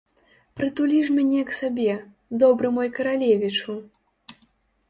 Прытулі ж мяне к сабе, добры мой каралевічу!